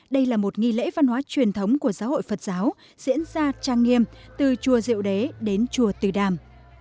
đây là một nghi lễ văn hóa truyền thống của giáo hội phật giáo diễn ra trang nghiêm từ chùa diệu đế đến chùa từ đàm